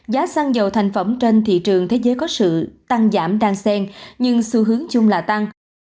giá xăng dầu thành phẩm trên thị trường thế giới có sự tăng giảm đan sen nhưng xu hướng chung là tăng